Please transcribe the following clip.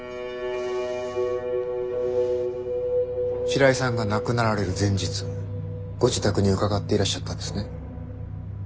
白井さんが亡くなられる前日ご自宅に伺っていらっしゃったんですね。